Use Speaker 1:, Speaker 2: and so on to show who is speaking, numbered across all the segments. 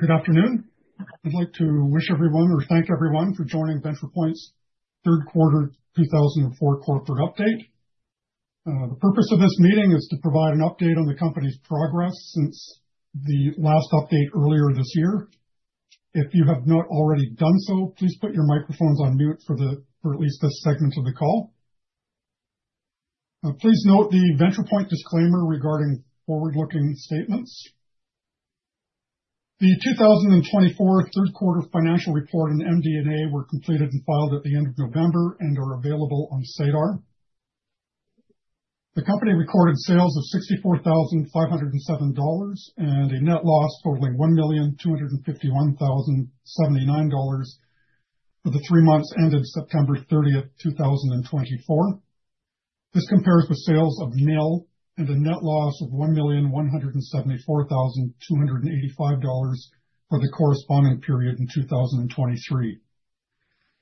Speaker 1: Good afternoon. I'd like to wish everyone, or thank everyone, for joining Ventripoint's third quarter 2024 corporate update. The purpose of this meeting is to provide an update on the company's progress since the last update earlier this year. If you have not already done so, please put your microphones on mute for at least this segment of the call. Please note the Ventripoint disclaimer regarding forward-looking statements. The 2024 third quarter financial report and MD&A were completed and filed at the end of November and are available on SEDAR. The company recorded sales of 64,507 dollars and a net loss totaling 1,251,079 dollars for the three months ended September 30, 2024. This compares with sales of nil and a net loss of 1,174,285 dollars for the corresponding period in 2023.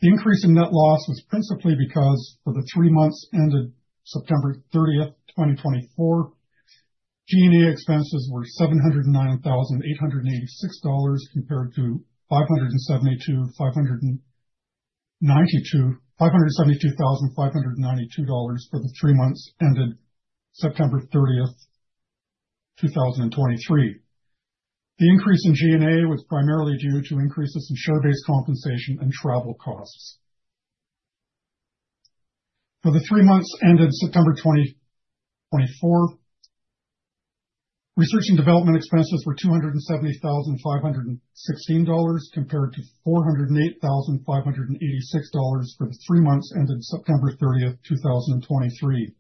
Speaker 1: The increase in net loss was principally because for the three months ended September 30, 2024, G&A expenses were 709,886 dollars compared to 572,592 dollars for the three months ended September 30, 2023. The increase in G&A was primarily due to increases in share-based compensation and travel costs. For the three months ended September 2024, research and development expenses were 270,516 dollars compared to 408,586 dollars for the three months ended September 30, 2023.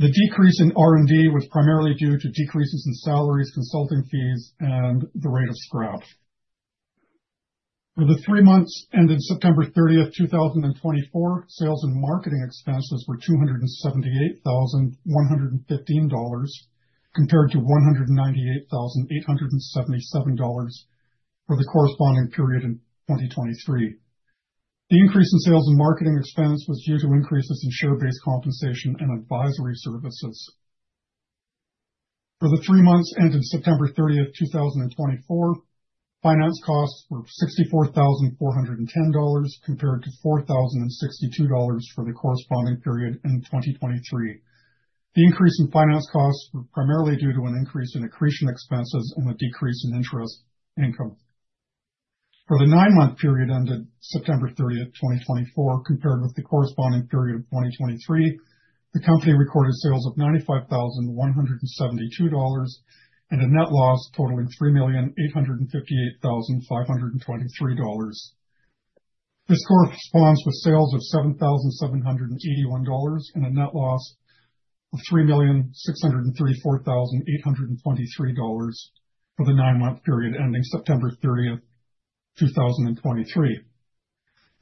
Speaker 1: The decrease in R&D was primarily due to decreases in salaries, consulting fees, and the rate of scrap. For the three months ended September 30, 2024, sales and marketing expenses were 278,115 dollars compared to 198,877 dollars for the corresponding period in 2023. The increase in sales and marketing expense was due to increases in share-based compensation and advisory services. For the three months ended September 30, 2024, finance costs were 64,410 dollars compared to 4,062 dollars for the corresponding period in 2023. The increase in finance costs was primarily due to an increase in accretion expenses and a decrease in interest income. For the nine-month period ended September 30, 2024, compared with the corresponding period of 2023, the company recorded sales of 95,172 dollars and a net loss totaling 3,858,523 dollars. This corresponds with sales of 7,781 dollars and a net loss of 3,634,823 dollars for the nine-month period ending September 30, 2023.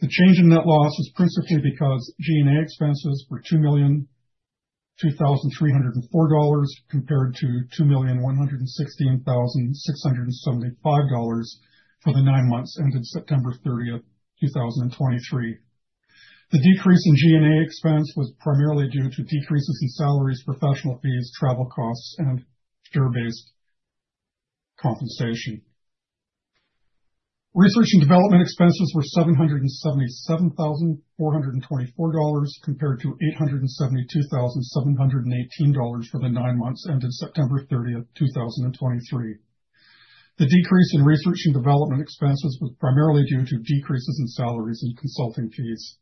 Speaker 1: The change in net loss was principally because G&A expenses were CAD 2,230,404 compared to 2,116,675 dollars for the nine months ended September 30, 2023. The decrease in G&A expense was primarily due to decreases in salaries, professional fees, travel costs, and share-based compensation. Research and development expenses were 777,424 dollars compared to 872,718 dollars for the nine months ended September 30, 2023. The decrease in research and development expenses was primarily due to decreases in salaries and consulting fees.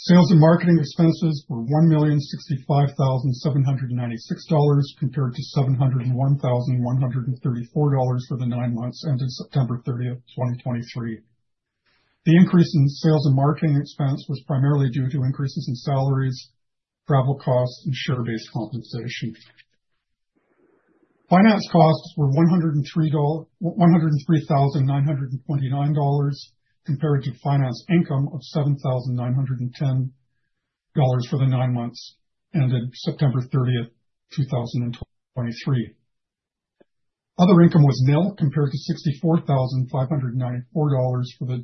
Speaker 1: Sales and marketing expenses were 1,065,796 dollars compared to 701,134 dollars for the nine months ended September 30, 2023. The increase in sales and marketing expense was primarily due to increases in salaries, travel costs, and share-based compensation. Finance costs were 103,929 dollars compared to finance income of 7,910 dollars for the nine months ended September 30, 2023. Other income was nil compared to 64,594 dollars for the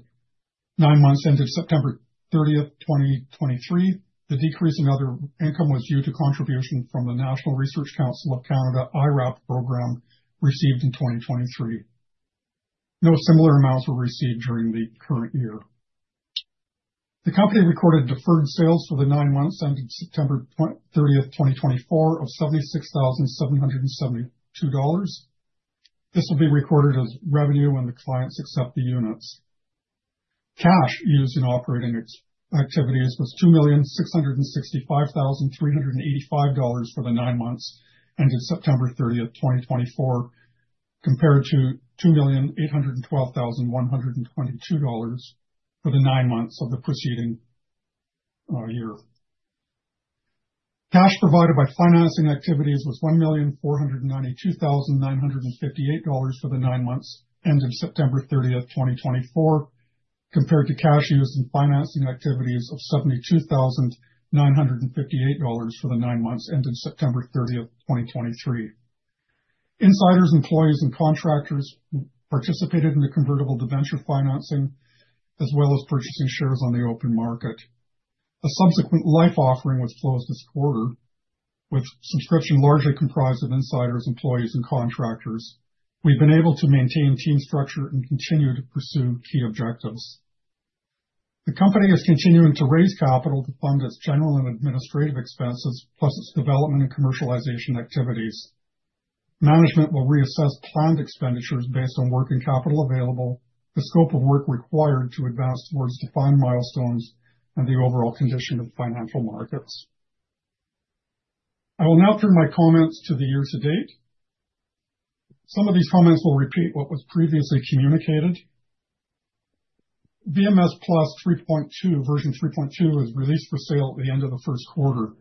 Speaker 1: nine months ended September 30, 2023. The decrease in other income was due to contributions from the National Research Council of Canada (IRAP) program received in 2023. No similar amounts were received during the current year. The company recorded deferred sales for the nine months ended September 30, 2024, of 76,772 dollars. This will be recorded as revenue when the clients accept the units. Cash used in operating activities was 2,665,385 dollars for the nine months ended September 30, 2024, compared to CAD 2,812,122 for the nine months of the preceding year. Cash provided by financing activities was 1,492,958 dollars for the nine months ended September 30, 2024, compared to cash used in financing activities of 72,958 dollars for the nine months ended September 30, 2023. Insiders, employees, and contractors participated in the convertible debenture financing, as well as purchasing shares on the open market. A subsequent private offering was closed this quarter, with subscription largely comprised of insiders, employees, and contractors. We've been able to maintain team structure and continue to pursue key objectives. The company is continuing to raise capital to fund its general and administrative expenses, plus its development and commercialization activities. Management will reassess planned expenditures based on work and capital available, the scope of work required to advance towards defined milestones, and the overall condition of financial markets. I will now turn my comments to the year to date. Some of these comments will repeat what was previously communicated. VMS+ 3.2, version 3.2, is released for sale at the end of the first quarter.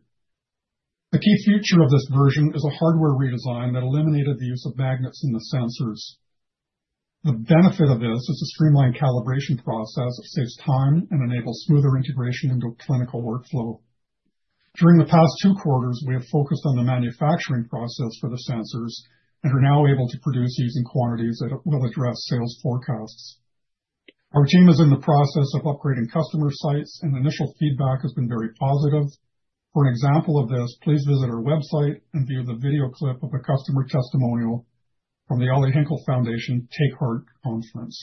Speaker 1: A key feature of this version is a hardware redesign that eliminated the use of magnets in the sensors. The benefit of this is a streamlined calibration process that saves time and enables smoother integration into a clinical workflow. During the past two quarters, we have focused on the manufacturing process for the sensors and are now able to produce using quantities that will address sales forecasts. Our team is in the process of upgrading customer sites, and initial feedback has been very positive. For an example of this, please visit our website and view the video clip of a customer testimonial from the Elijah Hinkle Foundation Take Heart Conference.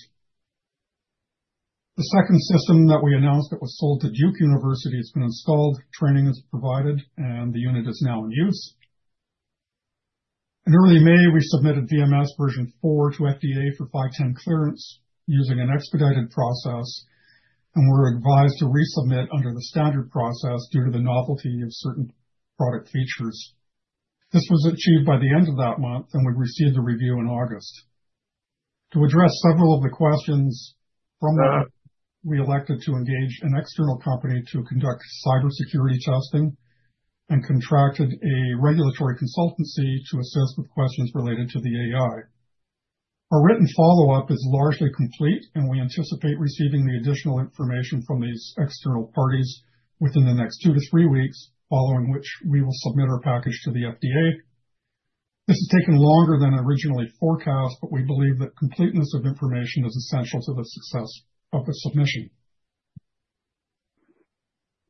Speaker 1: The second system that we announced that was sold to Duke University has been installed, training is provided, and the unit is now in use. In early May, we submitted VMS version 4 to FDA for 510(k) clearance using an expedited process and were advised to resubmit under the standard process due to the novelty of certain product features. This was achieved by the end of that month, and we received a review in August. To address several of the questions from that, we elected to engage an external company to conduct cybersecurity testing and contracted a regulatory consultancy to assist with questions related to the AI. Our written follow-up is largely complete, and we anticipate receiving the additional information from these external parties within the next two to three weeks, following which we will submit our package to the FDA. This has taken longer than originally forecast, but we believe that completeness of information is essential to the success of the submission.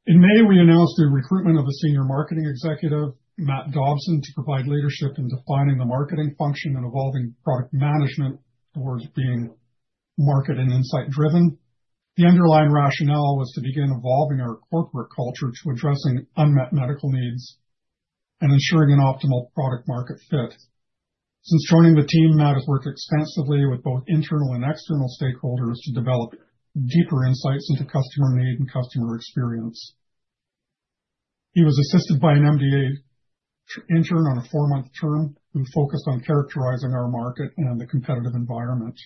Speaker 1: In May, we announced the recruitment of a senior marketing executive, Matt Dobson, to provide leadership in defining the marketing function and evolving product management towards being market and insight-driven. The underlying rationale was to begin evolving our corporate culture to address unmet medical needs and ensuring an optimal product-market fit. Since joining the team, Matt has worked extensively with both internal and external stakeholders to develop deeper insights into customer need and customer experience. He was assisted by an MDA intern on a four-month term who focused on characterizing our market and the competitive environment.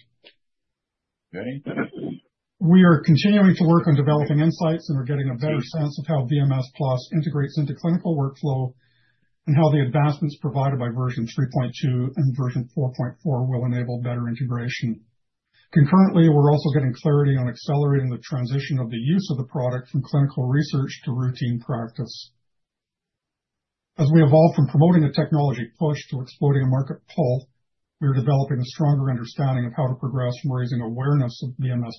Speaker 1: We are continuing to work on developing insights, and we're getting a better sense of how VMS+ integrates into clinical workflow and how the advancements provided by version 3.2 and version 4.4 will enable better integration. Concurrently, we're also getting clarity on accelerating the transition of the use of the product from clinical research to routine practice. As we evolve from promoting a technology push to exploiting a market pull, we are developing a stronger understanding of how to progress from raising awareness of VMS+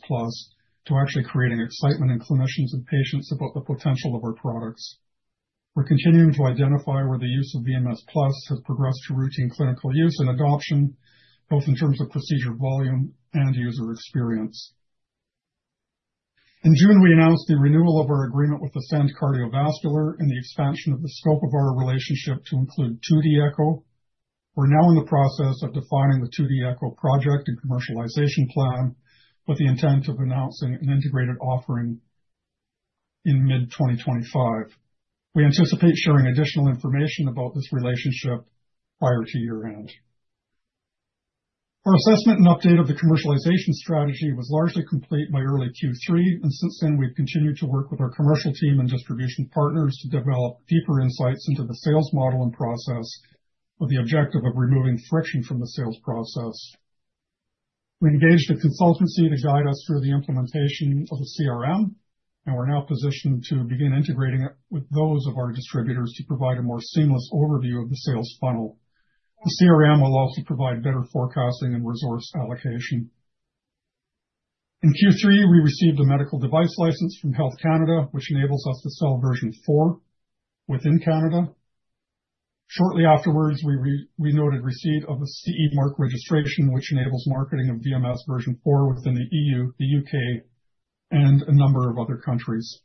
Speaker 1: to actually creating excitement in clinicians and patients about the potential of our products. We're continuing to identify where the use of VMS+ has progressed to routine clinical use and adoption, both in terms of procedure volume and user experience. In June, we announced the renewal of our agreement with Ascend Cardiovascular and the expansion of the scope of our relationship to include 2D Echo. We're now in the process of defining the 2D Echo project and commercialization plan with the intent of announcing an integrated offering in mid-2025. We anticipate sharing additional information about this relationship prior to year-end. Our assessment and update of the commercialization strategy was largely complete by early Q3, and since then, we've continued to work with our commercial team and distribution partners to develop deeper insights into the sales model and process with the objective of removing friction from the sales process. We engaged a consultancy to guide us through the implementation of the CRM, and we're now positioned to begin integrating it with those of our distributors to provide a more seamless overview of the sales funnel. The CRM will also provide better forecasting and resource allocation. In Q3, we received a medical device license from Health Canada, which enables us to sell version 4 within Canada. Shortly afterwards, we noted receipt of a CE mark registration, which enables marketing of VMS version 4 within the E.U., the U.K., and a number of other countries.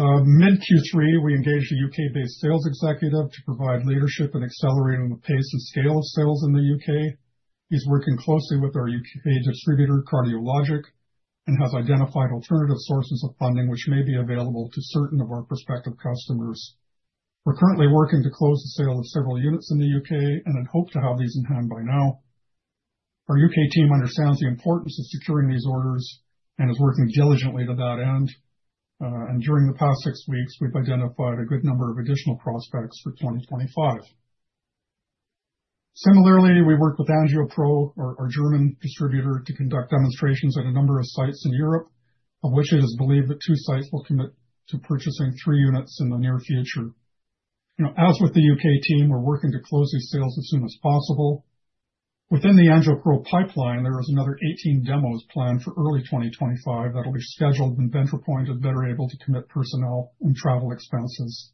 Speaker 1: Mid-Q3, we engaged a U.K.-based sales executive to provide leadership in accelerating the pace and scale of sales in the U.K. He's working closely with our U.K. distributor, Cardiologic, and has identified alternative sources of funding, which may be available to certain of our prospective customers. We're currently working to close the sale of several units in the U.K. and had hoped to have these in hand by now. Our U.K. team understands the importance of securing these orders and is working diligently to that end. During the past six weeks, we've identified a good number of additional prospects for 2025. Similarly, we worked with AngioPro, our German distributor, to conduct demonstrations at a number of sites in Europe, of which it is believed that two sites will commit to purchasing three units in the near future. As with the U.K. team, we're working to close these sales as soon as possible. Within the AngioPro pipeline, there are another 18 demos planned for early 2025 that will be scheduled when Ventripoint is better able to commit personnel and travel expenses.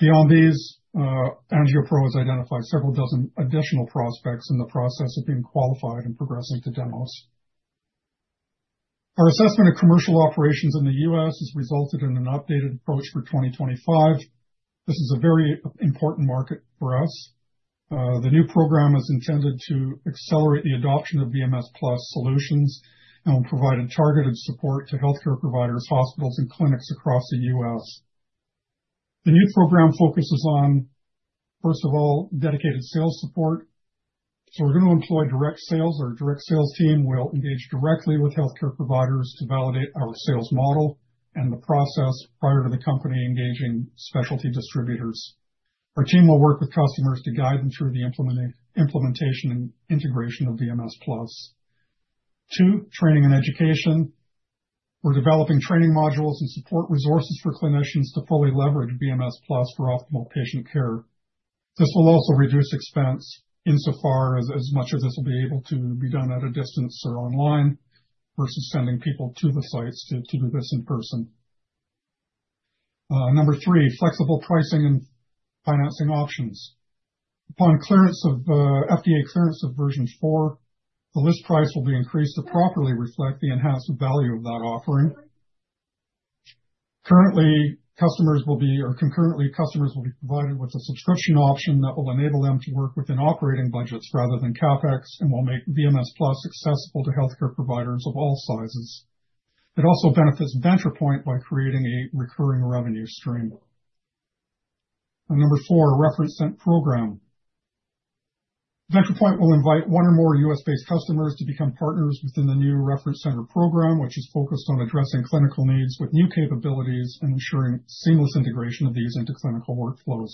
Speaker 1: Beyond these, AngioPro has identified several dozen additional prospects in the process of being qualified and progressing to demos. Our assessment of commercial operations in the U.S. has resulted in an updated approach for 2025. This is a very important market for us. The new program is intended to accelerate the adoption of VMS Plus solutions and will provide targeted support to healthcare providers, hospitals, and clinics across the U.S. The new program focuses on, first of all, dedicated sales support. So we're going to employ direct sales. Our direct sales team will engage directly with healthcare providers to validate our sales model and the process prior to the company engaging specialty distributors. Our team will work with customers to guide them through the implementation and integration of VMS Plus. Two, training and education. We're developing training modules and support resources for clinicians to fully leverage VMS Plus for optimal patient care. This will also reduce expense insofar as much of this will be able to be done at a distance or online versus sending people to the sites to do this in person. Number three, flexible pricing and financing options. Upon FDA clearance of version 4, the list price will be increased to properly reflect the enhanced value of that offering. Currently, customers will be provided with a subscription option that will enable them to work within operating budgets rather than CapEx and will make VMS Plus accessible to healthcare providers of all sizes. It also benefits Ventripoint by creating a recurring revenue stream. Number four, reference center program. Ventripoint will invite one or more U.S.-based customers to become partners within the new reference center program, which is focused on addressing clinical needs with new capabilities and ensuring seamless integration of these into clinical workflows.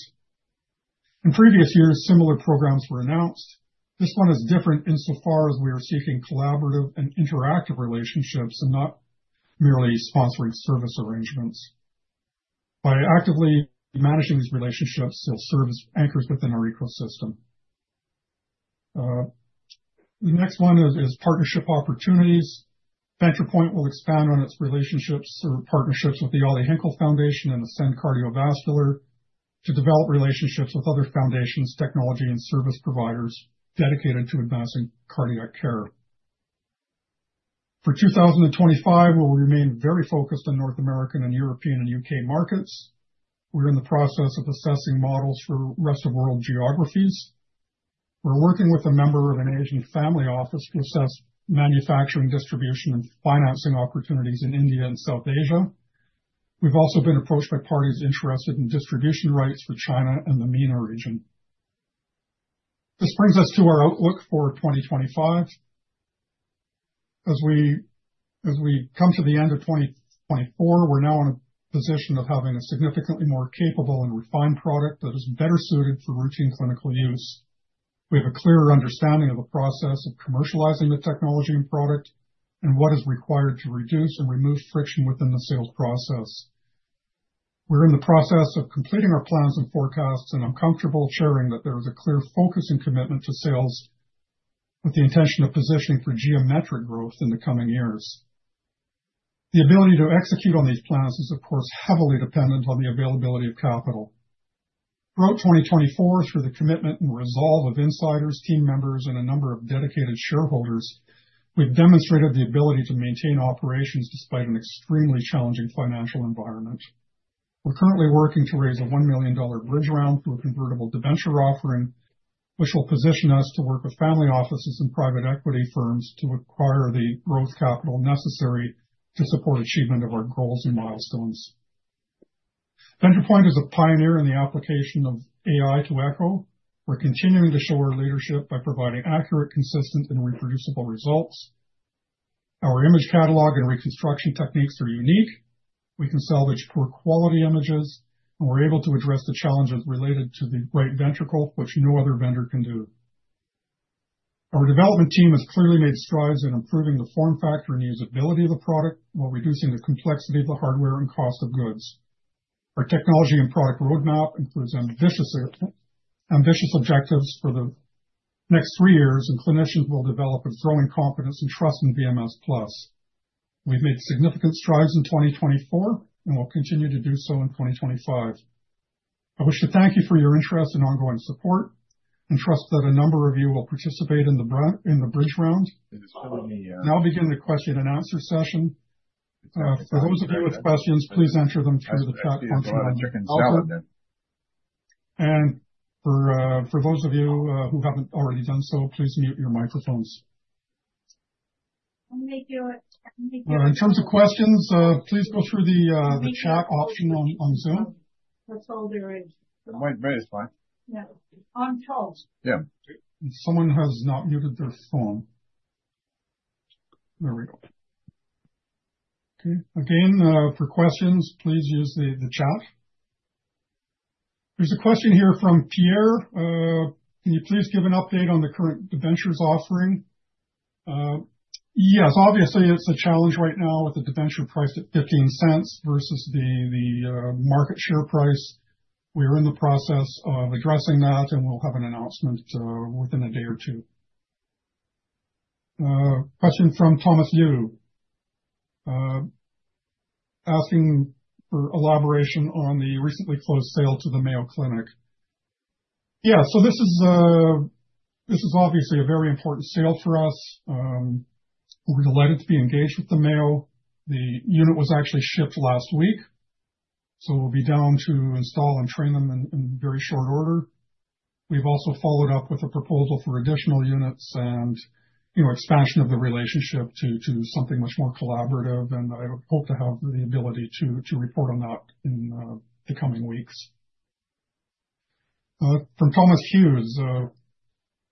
Speaker 1: In previous years, similar programs were announced. This one is different insofar as we are seeking collaborative and interactive relationships and not merely sponsoring service arrangements. By actively managing these relationships, they'll serve as anchors within our ecosystem. The next one is partnership opportunities. Ventripoint will expand on its relationships or partnerships with the Elijah Hinkle Foundation and Ascend Cardiovascular to develop relationships with other foundations, technology, and service providers dedicated to advancing cardiac care. For 2025, we will remain very focused on North American and European and UK markets. We're in the process of assessing models for rest of world geographies. We're working with a member of an Asian family office to assess manufacturing, distribution, and financing opportunities in India and South Asia. We've also been approached by parties interested in distribution rights for China and the MENA region. This brings us to our outlook for 2025. As we come to the end of 2024, we're now in a position of having a significantly more capable and refined product that is better suited for routine clinical use. We have a clearer understanding of the process of commercializing the technology and product and what is required to reduce and remove friction within the sales process. We're in the process of completing our plans and forecasts, and I'm comfortable sharing that there is a clear focus and commitment to sales with the intention of positioning for geometric growth in the coming years. The ability to execute on these plans is, of course, heavily dependent on the availability of capital. Throughout 2024, through the commitment and resolve of insiders, team members, and a number of dedicated shareholders, we've demonstrated the ability to maintain operations despite an extremely challenging financial environment. We're currently working to raise a $1 million bridge round through a convertible debenture offering, which will position us to work with family offices and private equity firms to acquire the growth capital necessary to support achievement of our goals and milestones. Ventripoint is a pioneer in the application of AI to Echo. We're continuing to show our leadership by providing accurate, consistent, and reproducible results. Our image catalog and reconstruction techniques are unique. We can salvage poor quality images, and we're able to address the challenges related to the right ventricle, which no other vendor can do. Our development team has clearly made strides in improving the form factor and usability of the product while reducing the complexity of the hardware and cost of goods. Our technology and product roadmap includes ambitious objectives for the next three years, and clinicians will develop a growing confidence and trust in VMS+. We've made significant strides in 2024 and will continue to do so in 2025. I wish to thank you for your interest and ongoing support and trust that a number of you will participate in the bridge round. Now begin the question and answer session. For those of you with questions, please enter them through the chat function on the chat button. For those of you who haven't already done so, please mute your microphones. In terms of questions, please go through the chat option on Zoom. That's all there is. Someone has not muted their phone. There we go. Okay. Again, for questions, please use the chat. There's a question here from Pierre. Can you please give an update on the current debentures offering? Yes. Obviously, it's a challenge right now with the debenture priced at 0.15 versus the market share price. We are in the process of addressing that, and we'll have an announcement within a day or two. Question from Thomas Liu, asking for elaboration on the recently closed sale to the Mayo Clinic. Yeah, so this is obviously a very important sale for us. We're delighted to be engaged with the Mayo. The unit was actually shipped last week, so we'll be down to install and train them in very short order. We've also followed up with a proposal for additional units and expansion of the relationship to something much more collaborative, and I hope to have the ability to report on that in the coming weeks. From Thomas Hughes,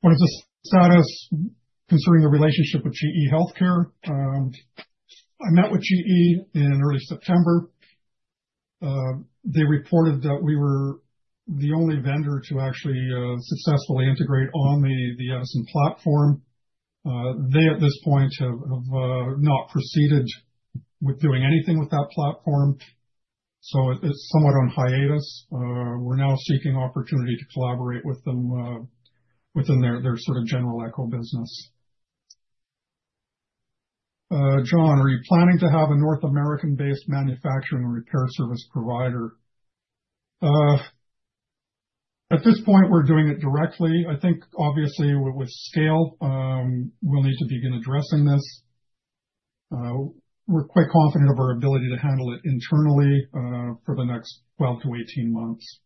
Speaker 1: what is the status concerning the relationship with GE Healthcare? I met with GE in early September. They reported that we were the only vendor to actually successfully integrate on the Edison platform. They, at this point, have not proceeded with doing anything with that platform, so it's somewhat on hiatus. We're now seeking opportunity to collaborate with them within their sort of general Echo business. John, are you planning to have a North American-based manufacturing and repair service provider? At this point, we're doing it directly. I think, obviously, with scale, we'll need to begin addressing this. We're quite confident of our ability to handle it internally for the next 12-18 months.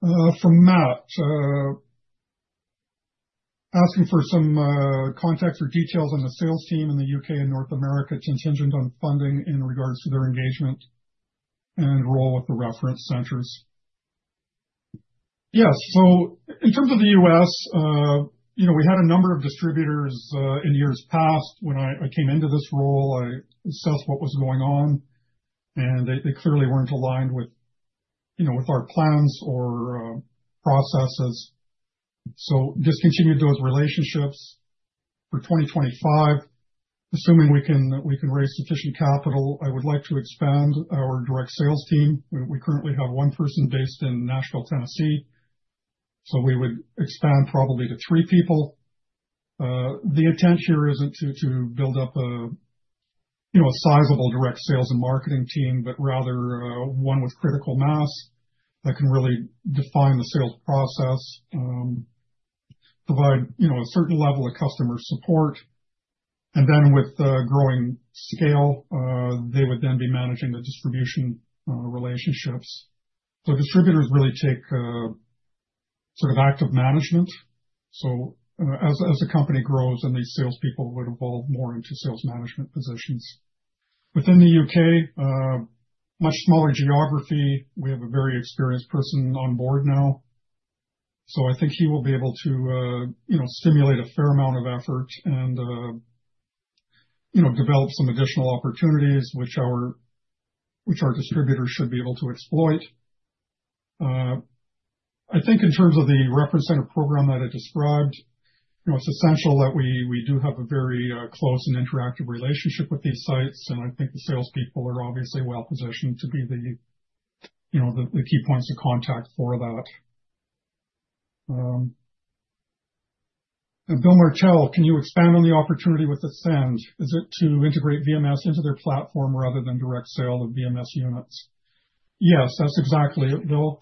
Speaker 1: From Matt, asking for some context or details on the sales team in the U.K. and North America contingent on funding in regards to their engagement and role with the reference centers. Yes. So in terms of the U.S., we had a number of distributors in years past. When I came into this role, I assessed what was going on, and they clearly weren't aligned with our plans or processes. So discontinued those relationships. For 2025, assuming we can raise sufficient capital, I would like to expand our direct sales team. We currently have one person based in Nashville, Tennessee, so we would expand probably to three people. The intent here isn't to build up a sizable direct sales and marketing team, but rather one with critical mass that can really define the sales process, provide a certain level of customer support. And then with growing scale, they would then be managing the distribution relationships. So distributors really take sort of active management. So as the company grows, and these salespeople would evolve more into sales management positions. Within the UK, much smaller geography, we have a very experienced person on board now. So I think he will be able to stimulate a fair amount of effort and develop some additional opportunities which our distributors should be able to exploit. I think in terms of the reference center program that I described, it's essential that we do have a very close and interactive relationship with these sites, and I think the salespeople are obviously well-positioned to be the key points of contact for that. Bill Martell, can you expand on the opportunity with Ascend? Is it to integrate VMS into their platform rather than direct sale of VMS units? Yes, that's exactly it, Bill.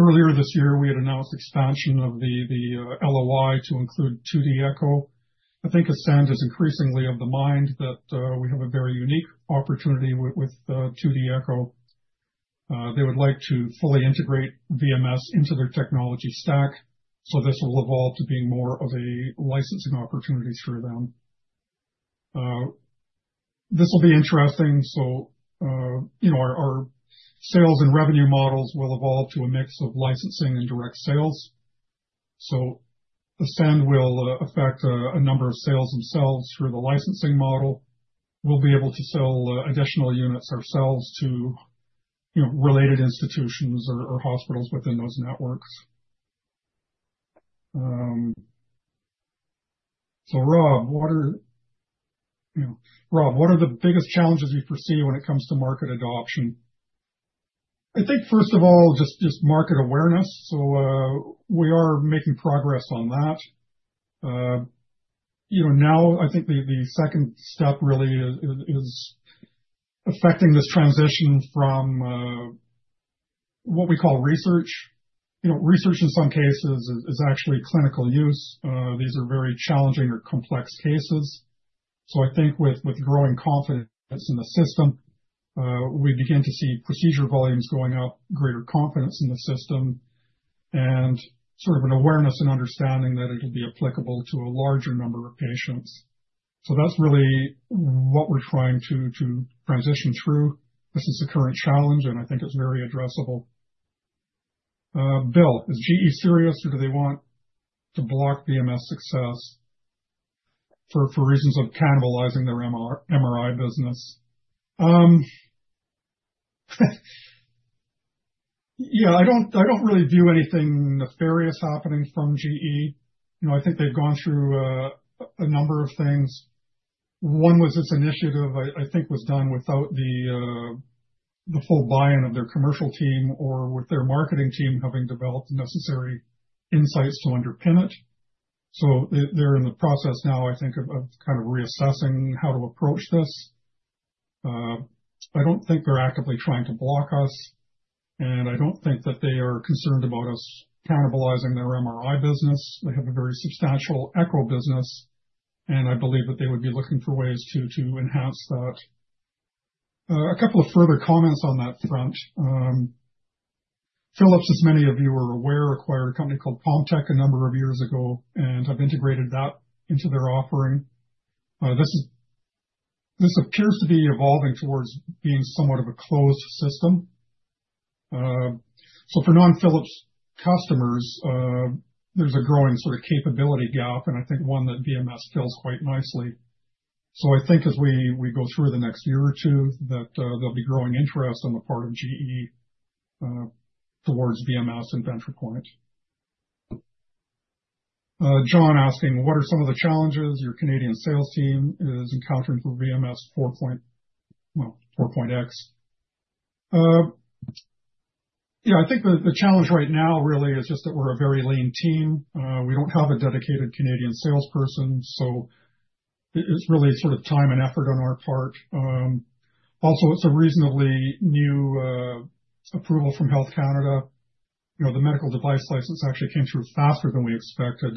Speaker 1: Earlier this year, we had announced expansion of the LOI to include 2D Echo. I think Ascend is increasingly of the mind that we have a very unique opportunity with 2D Echo. They would like to fully integrate VMS into their technology stack, so this will evolve to being more of a licensing opportunity through them. This will be interesting. Our sales and revenue models will evolve to a mix of licensing and direct sales. Ascend will affect a number of sales themselves through the licensing model. We will be able to sell additional units ourselves to related institutions or hospitals within those networks. Rob, what are the biggest challenges we foresee when it comes to market adoption? I think, first of all, just market awareness. We are making progress on that. Now, I think the second step really is affecting this transition from what we call research. Research, in some cases, is actually clinical use. These are very challenging or complex cases. So I think with growing confidence in the system, we begin to see procedure volumes going up, greater confidence in the system, and sort of an awareness and understanding that it'll be applicable to a larger number of patients. So that's really what we're trying to transition through. This is a current challenge, and I think it's very addressable. Bill, is GE serious, or do they want to block VMS success for reasons of cannibalizing their MRI business? Yeah. I don't really view anything nefarious happening from GE. I think they've gone through a number of things. One was its initiative, I think, was done without the full buy-in of their commercial team or with their marketing team having developed the necessary insights to underpin it. So they're in the process now, I think, of kind of reassessing how to approach this. I don't think they're actively trying to block us, and I don't think that they are concerned about us cannibalizing their MRI business. They have a very substantial Echo business, and I believe that they would be looking for ways to enhance that. A couple of further comments on that front. Philips, as many of you are aware, acquired a company called TomTec a number of years ago and have integrated that into their offering. This appears to be evolving towards being somewhat of a closed system. So for non-Philips customers, there's a growing sort of capability gap, and I think one that VMS fills quite nicely. So I think as we go through the next year or two, that there'll be growing interest on the part of GE towards VMS and Ventripoint. John asking, "What are some of the challenges your Canadian sales team is encountering for VMS 4.X?" Yeah. I think the challenge right now really is just that we're a very lean team. We don't have a dedicated Canadian salesperson, so it's really sort of time and effort on our part. Also, it's a reasonably new approval from Health Canada. The medical device license actually came through faster than we expected.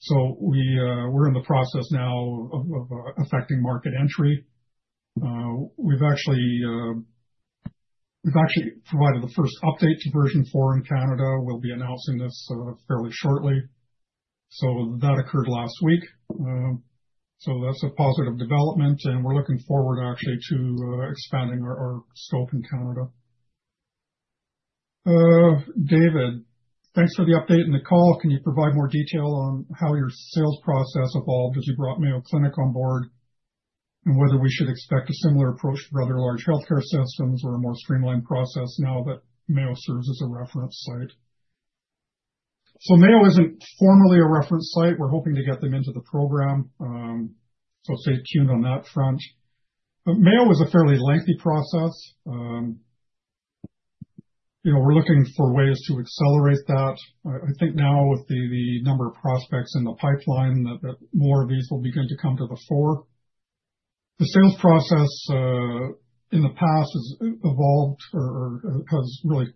Speaker 1: So we're in the process now of effecting market entry. We've actually provided the first update to version four in Canada. We'll be announcing this fairly shortly. So that occurred last week. So that's a positive development, and we're looking forward actually to expanding our scope in Canada. David, thanks for the update and the call. Can you provide more detail on how your sales process evolved as you brought Mayo Clinic on board and whether we should expect a similar approach for other large healthcare systems or a more streamlined process now that Mayo serves as a reference site? So Mayo isn't formally a reference site. We're hoping to get them into the program, so stay tuned on that front. Mayo is a fairly lengthy process. We're looking for ways to accelerate that. I think now with the number of prospects in the pipeline, that more of these will begin to come to the fore. The sales process in the past has evolved or has really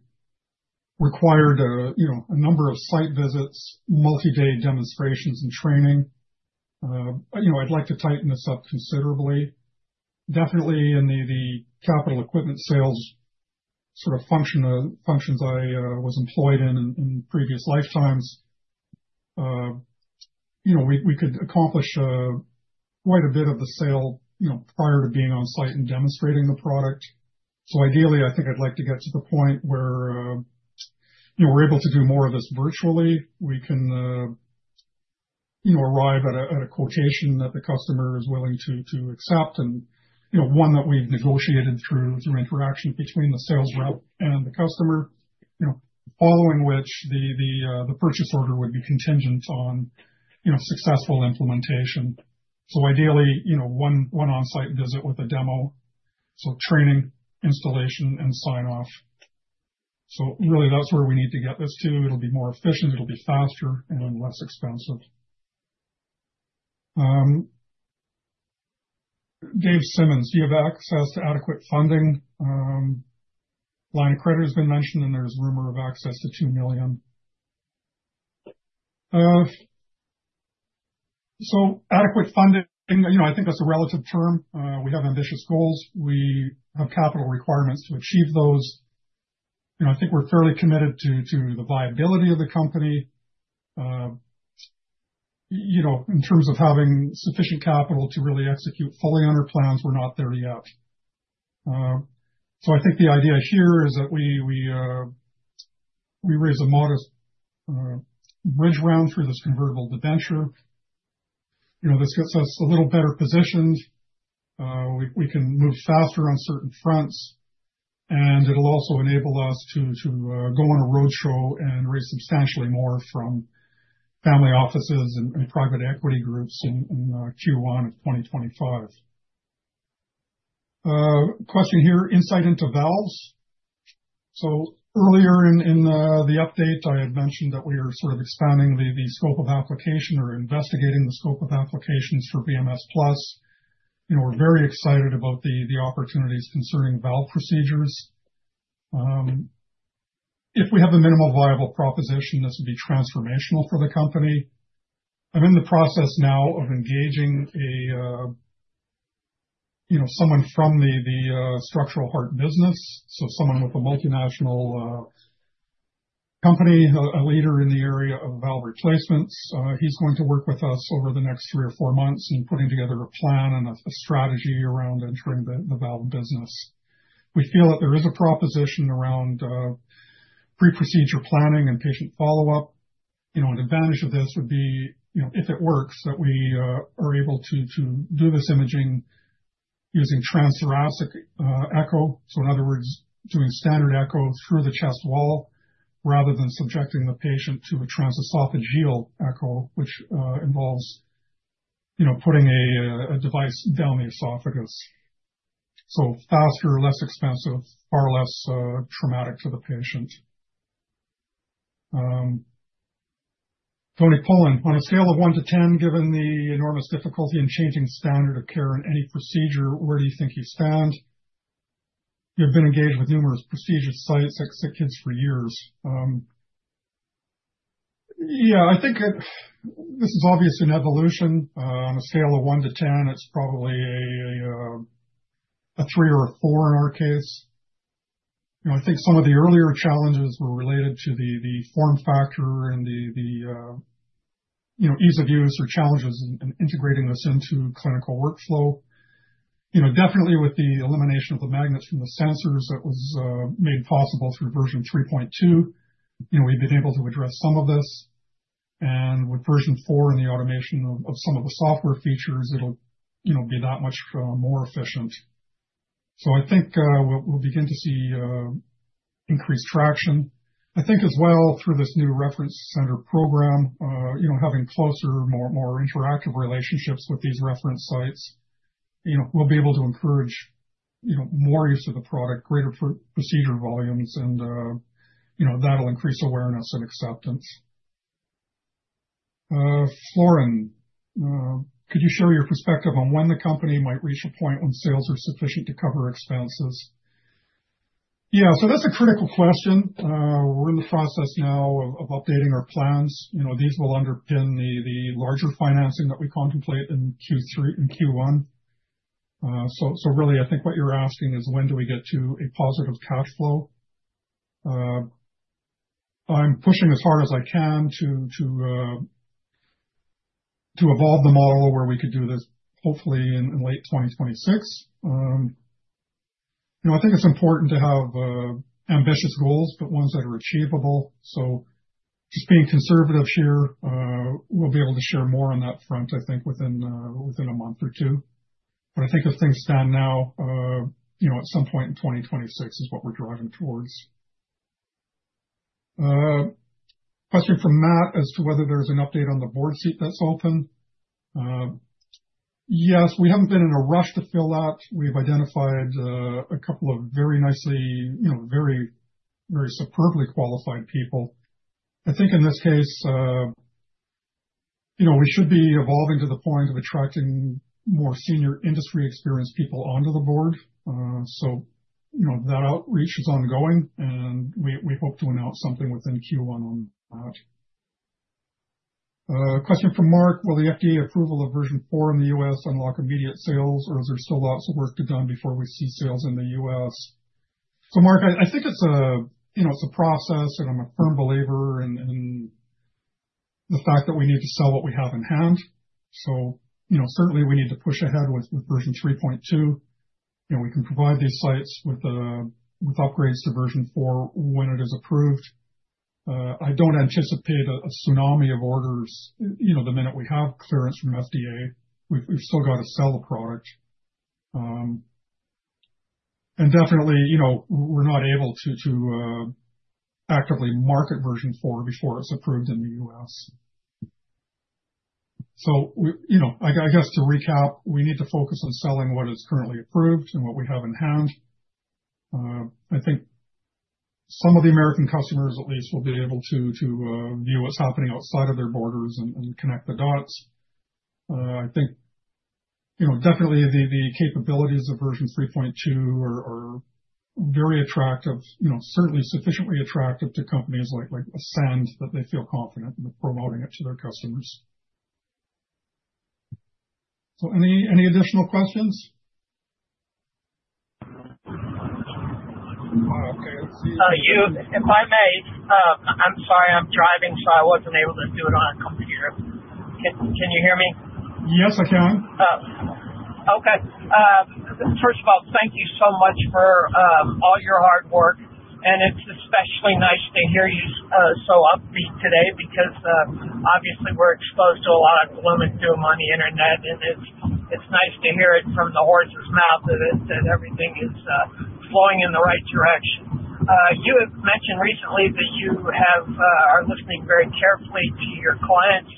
Speaker 1: required a number of site visits, multi-day demonstrations, and training. I'd like to tighten this up considerably. Definitely in the capital equipment sales sort of functions I was employed in in previous lifetimes, we could accomplish quite a bit of the sale prior to being on site and demonstrating the product. So ideally, I think I'd like to get to the point where we're able to do more of this virtually. We can arrive at a quotation that the customer is willing to accept and one that we've negotiated through interaction between the sales rep and the customer, following which the purchase order would be contingent on successful implementation. So ideally, one on-site visit with a demo, so training, installation, and sign-off. So really, that's where we need to get this to. It'll be more efficient. It'll be faster and less expensive. Dave Simmons, do you have access to adequate funding? Line of credit has been mentioned, and there's rumor of access to 2 million. So adequate funding, I think that's a relative term. We have ambitious goals. We have capital requirements to achieve those. I think we're fairly committed to the viability of the company. In terms of having sufficient capital to really execute fully on our plans, we're not there yet. So I think the idea here is that we raise a modest bridge round through this convertible debenture. This gets us a little better positioned. We can move faster on certain fronts, and it'll also enable us to go on a roadshow and raise substantially more from family offices and private equity groups in Q1 of 2025. Question here, insight into valves. So earlier in the update, I had mentioned that we are sort of expanding the scope of application or investigating the scope of applications for VMS+. We're very excited about the opportunities concerning valve procedures. If we have a minimal viable proposition, this would be transformational for the company. I'm in the process now of engaging someone from the structural heart business, so someone with a multinational company, a leader in the area of valve replacements. He's going to work with us over the next three or four months in putting together a plan and a strategy around entering the valve business. We feel that there is a proposition around pre-procedure planning and patient follow-up. An advantage of this would be, if it works, that we are able to do this imaging using transthoracic echo. So in other words, doing standard echo through the chest wall rather than subjecting the patient to a transesophageal echo, which involves putting a device down the esophagus. So faster, less expensive, far less traumatic to the patient. On a scale of 1 to 10, given the enormous difficulty in changing standard of care in any procedure, where do you think you stand? You've been engaged with numerous procedure sites at Kids for years. Yeah. I think this is obviously an evolution. On a scale of 1 to 10, it's probably a 3 or a 4 in our case. I think some of the earlier challenges were related to the form factor and the ease of use or challenges in integrating this into clinical workflow. Definitely, with the elimination of the magnets from the sensors that was made possible through version 3.2, we've been able to address some of this. And with version 4 and the automation of some of the software features, it'll be that much more efficient. So I think we'll begin to see increased traction. I think as well, through this new reference center program, having closer, more interactive relationships with these reference sites, we'll be able to encourage more use of the product, greater procedure volumes, and that'll increase awareness and acceptance. Florin, could you share your perspective on when the company might reach a point when sales are sufficient to cover expenses? Yeah. So that's a critical question. We're in the process now of updating our plans. These will underpin the larger financing that we contemplate in Q1. So really, I think what you're asking is, when do we get to a positive cash flow? I'm pushing as hard as I can to evolve the model where we could do this, hopefully, in late 2026. I think it's important to have ambitious goals, but ones that are achievable. So just being conservative here, we'll be able to share more on that front, I think, within a month or two. But I think as things stand now, at some point in 2026 is what we're driving towards. Question from Matt as to whether there's an update on the board seat that's open. Yes. We haven't been in a rush to fill that. We've identified a couple of very nicely, very superbly qualified people. I think in this case, we should be evolving to the point of attracting more senior industry experienced people onto the board. So that outreach is ongoing, and we hope to announce something within Q1 on that. Question from Mark. Will the FDA approval of version 4 in the U.S. unlock immediate sales, or is there still lots of work to be done before we see sales in the U.S.? So Mark, I think it's a process, and I'm a firm believer in the fact that we need to sell what we have in hand. So certainly, we need to push ahead with version 3.2. We can provide these sites with upgrades to version 4 when it is approved. I don't anticipate a tsunami of orders the minute we have clearance from FDA. We've still got to sell the product. And definitely, we're not able to actively market version 4 before it's approved in the U.S. So I guess to recap, we need to focus on selling what is currently approved and what we have in hand. I think some of the American customers, at least, will be able to view what's happening outside of their borders and connect the dots. I think definitely the capabilities of version 3.2 are very attractive, certainly sufficiently attractive to companies like Ascend that they feel confident in promoting it to their customers, so any additional questions? Okay. If I may, I'm sorry. I'm driving, so I wasn't able to do it on a computer. Can you hear me? Yes, I can. Okay. First of all, thank you so much for all your hard work, and it's especially nice to hear you so upbeat today because, obviously, we're exposed to a lot of gloom and doom on the internet, and it's nice to hear it from the horse's mouth that everything is flowing in the right direction. You have mentioned recently that you are listening very carefully to your clients.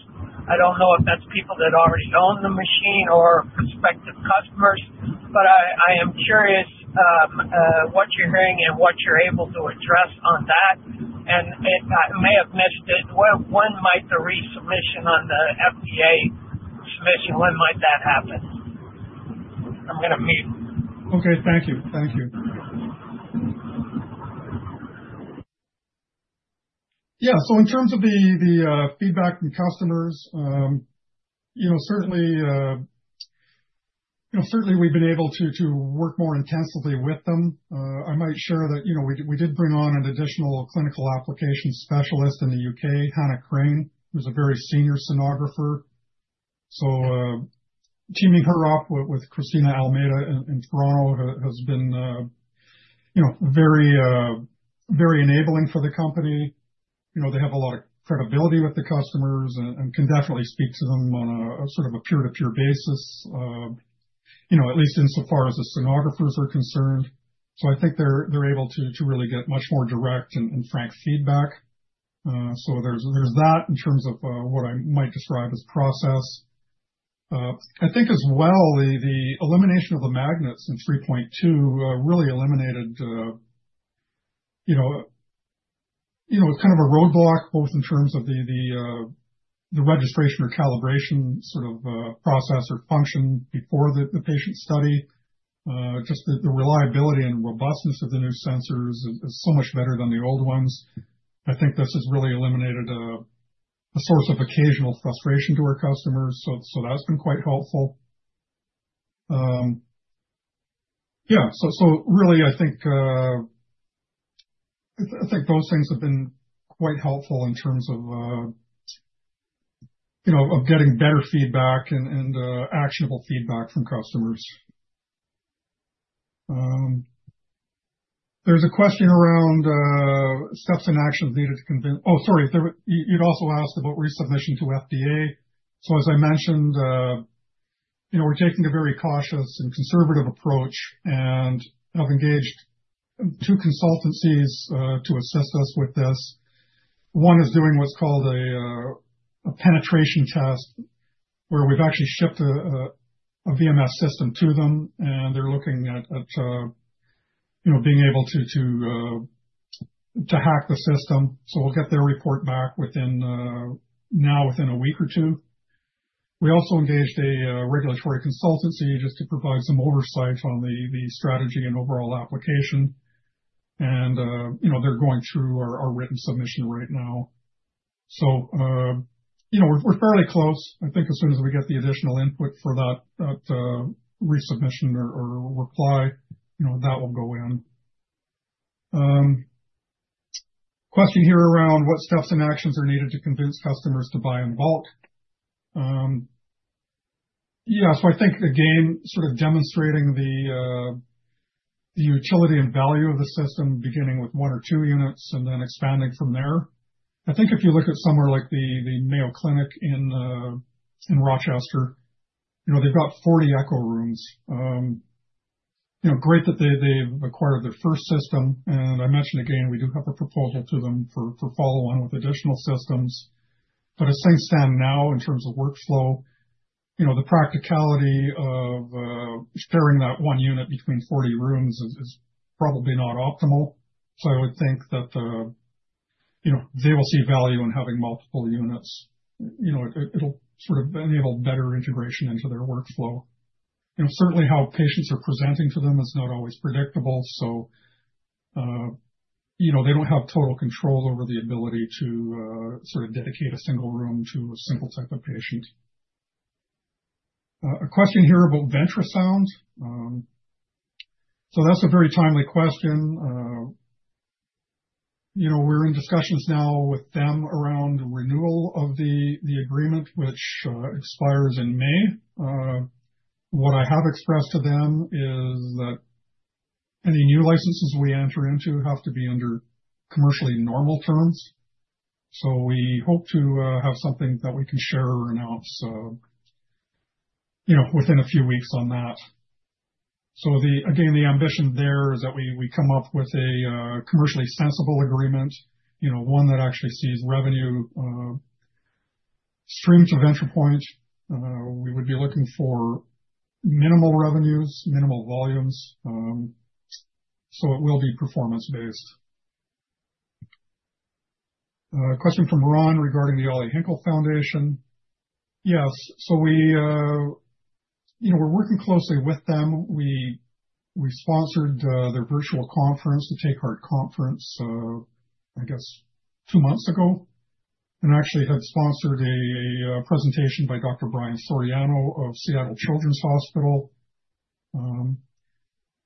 Speaker 1: I don't know if that's people that already own the machine or prospective customers, but I am curious what you're hearing and what you're able to address on that, and I may have missed it. When might the resubmission on the FDA submission, when might that happen? I'm going to mute. Okay. Thank you. Thank you. Yeah, so in terms of the feedback from customers, certainly, we've been able to work more intensively with them. I might share that we did bring on an additional clinical application specialist in the UK, Hannah Crane, who's a very senior sonographer, so teaming her up with Christine Almeyda in Toronto has been very enabling for the company. They have a lot of credibility with the customers and can definitely speak to them on a sort of a peer-to-peer basis, at least insofar as the sonographers are concerned. I think they're able to really get much more direct and frank feedback. There's that in terms of what I might describe as process. I think as well, the elimination of the magnets in 3.2 really eliminated kind of a roadblock both in terms of the registration or calibration sort of process or function before the patient study. Just the reliability and robustness of the new sensors is so much better than the old ones. I think this has really eliminated a source of occasional frustration to our customers. That's been quite helpful. Yeah. Really, I think those things have been quite helpful in terms of getting better feedback and actionable feedback from customers. There's a question around steps and actions needed to convince. Oh, sorry. You'd also asked about resubmission to FDA. As I mentioned, we're taking a very cautious and conservative approach and have engaged two consultancies to assist us with this. One is doing what's called a penetration test where we've actually shipped a VMS system to them, and they're looking at being able to hack the system. We'll get their report back now within a week or two. We also engaged a regulatory consultancy just to provide some oversight on the strategy and overall application. They're going through our written submission right now. We're fairly close. I think as soon as we get the additional input for that resubmission or reply, that will go in. Question here around what steps and actions are needed to convince customers to buy in bulk. Yeah. So I think, again, sort of demonstrating the utility and value of the system, beginning with one or two units and then expanding from there. I think if you look at somewhere like the Mayo Clinic in Rochester, they've got 40 echo rooms. Great that they've acquired their first system. And I mentioned again, we do have a proposal to them for follow-on with additional systems. But as things stand now in terms of workflow, the practicality of sharing that one unit between 40 rooms is probably not optimal. So I would think that they will see value in having multiple units. It'll sort of enable better integration into their workflow. Certainly, how patients are presenting to them is not always predictable. So they don't have total control over the ability to sort of dedicate a single room to a single type of patient. A question here about VentriSound. That's a very timely question. We're in discussions now with them around renewal of the agreement, which expires in May. What I have expressed to them is that any new licenses we enter into have to be under commercially normal terms. We hope to have something that we can share or announce within a few weeks on that. Again, the ambition there is that we come up with a commercially sensible agreement, one that actually sees revenue streamed to Ventripoint. We would be looking for minimal revenues, minimal volumes. It will be performance-based. Question from Ron regarding the Elijah Hinkle Foundation. Yes. We're working closely with them. We sponsored their virtual conference, the Take Heart Conference, I guess, two months ago, and actually had sponsored a presentation by Dr. Brian Soriano of Seattle Children's Hospital.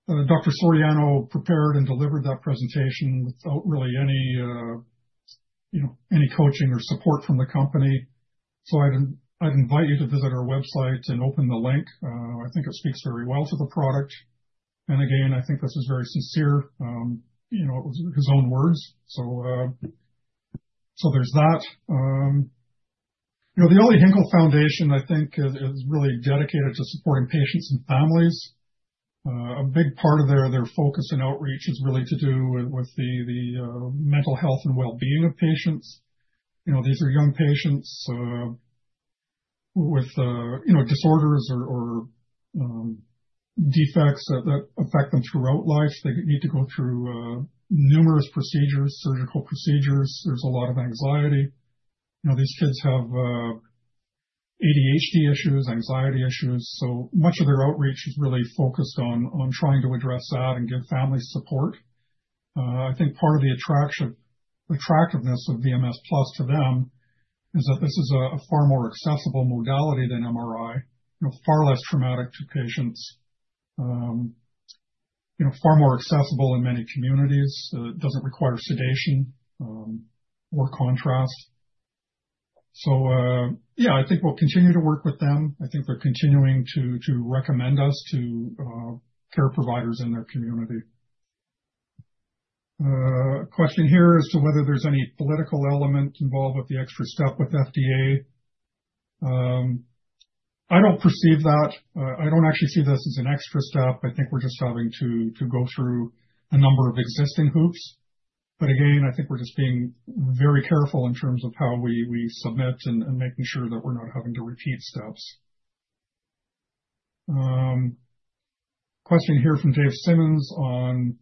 Speaker 1: Dr. Soriano prepared and delivered that presentation without really any coaching or support from the company. I'd invite you to visit our website and open the link. I think it speaks very well to the product. Again, I think this is very sincere. It was his own words. There's that. The Elijah Hinkle Foundation, I think, is really dedicated to supporting patients and families. A big part of their focus and outreach is really to do with the mental health and well-being of patients. These are young patients with disorders or defects that affect them throughout life. They need to go through numerous procedures, surgical procedures. There's a lot of anxiety. These kids have ADHD issues, anxiety issues. Much of their outreach is really focused on trying to address that and give family support. I think part of the attractiveness of VMS+ to them is that this is a far more accessible modality than MRI, far less traumatic to patients, far more accessible in many communities. It doesn't require sedation or contrast. So yeah, I think we'll continue to work with them. I think they're continuing to recommend us to care providers in their community. Question here as to whether there's any political element involved with the extra step with FDA. I don't perceive that. I don't actually see this as an extra step. I think we're just having to go through a number of existing hoops. But again, I think we're just being very careful in terms of how we submit and making sure that we're not having to repeat steps. Question here from Dave Simmons on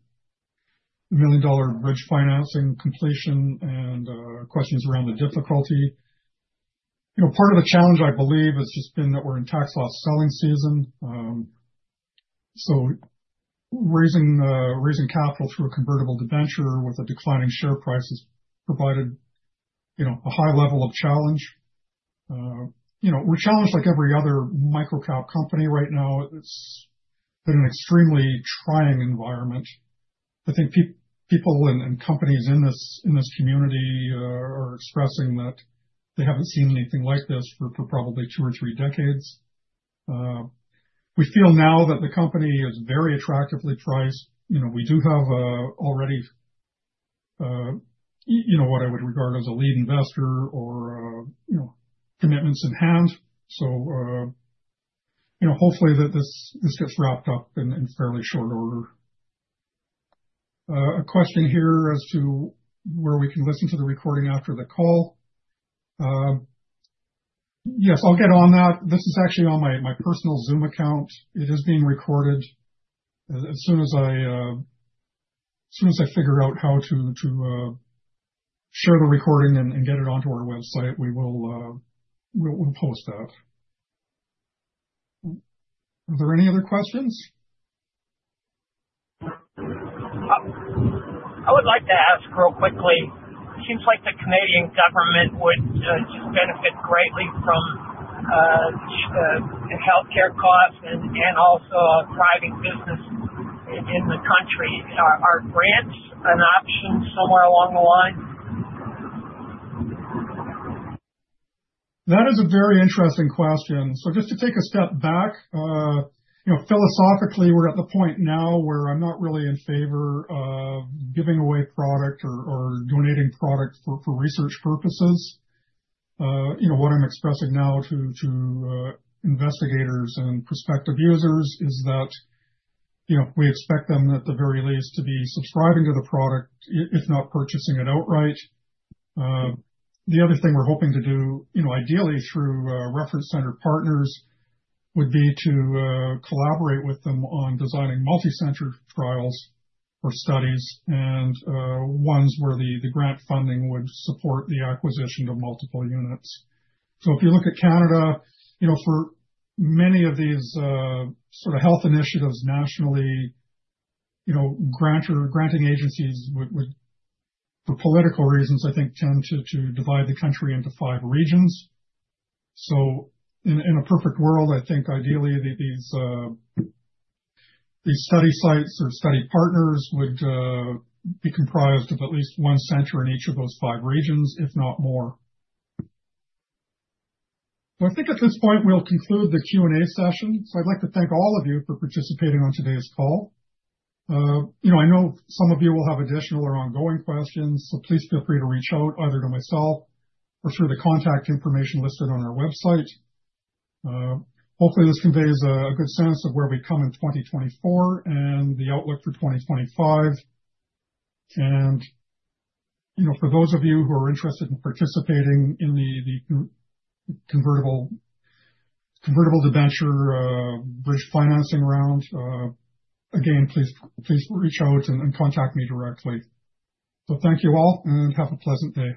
Speaker 1: the $1 million bridge financing completion and questions around the difficulty. Part of the challenge, I believe, has just been that we're in tax loss selling season. So raising capital through a convertible debenture with a declining share price has provided a high level of challenge. We're challenged like every other microcap company right now. It's been an extremely trying environment. I think people and companies in this community are expressing that they haven't seen anything like this for probably two or three decades. We feel now that the company is very attractively priced. We do have already what I would regard as a lead investor or commitments in hand. So hopefully, this gets wrapped up in fairly short order. A question here as to where we can listen to the recording after the call. Yes, I'll get on that. This is actually on my personal Zoom account. It is being recorded. As soon as I figure out how to share the recording and get it onto our website, we will post that. Are there any other questions? I would like to ask real quickly. It seems like the Canadian government would just benefit greatly from healthcare costs and also a thriving business in the country. Are grants an option somewhere along the line? That is a very interesting question. So just to take a step back, philosophically, we're at the point now where I'm not really in favor of giving away product or donating product for research purposes. What I'm expressing now to investigators and prospective users is that we expect them at the very least to be subscribing to the product, if not purchasing it outright. The other thing we're hoping to do, ideally through reference-centered partners, would be to collaborate with them on designing multicenter trials or studies and ones where the grant funding would support the acquisition of multiple units. So if you look at Canada, for many of these sort of health initiatives nationally, granting agencies would, for political reasons, I think, tend to divide the country into five regions. So in a perfect world, I think ideally these study sites or study partners would be comprised of at least one center in each of those five regions, if not more. So I think at this point, we'll conclude the Q&A session. So I'd like to thank all of you for participating on today's call. I know some of you will have additional or ongoing questions, so please feel free to reach out either to myself or through the contact information listed on our website. Hopefully, this conveys a good sense of where we come in 2024 and the outlook for 2025. And for those of you who are interested in participating in the convertible debenture bridge financing round, again, please reach out and contact me directly. So thank you all, and have a pleasant day.